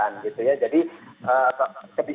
dan kepastian tentang pemulihan itu bergantung juga pada itu